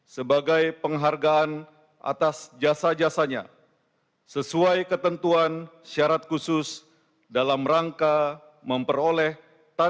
sebagai penghargaan atas jasa jasanya sesuai ketentuan syarat khusus dalam rangka memperoleh